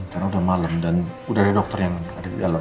kamu sudah malem dan udah ada dokter yang ada di dalam